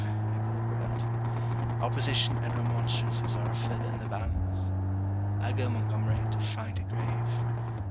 I go abroad. Opposition and remonstrances are a feather in the balance. I go, Montgomery, to find a grave.